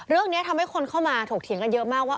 เรื่องนี้ทำให้คนเข้ามาถกเถียงกันเยอะมากว่า